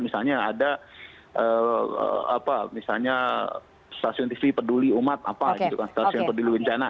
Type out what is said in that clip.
misalnya ada stasiun tv peduli umat stasiun peduli bencana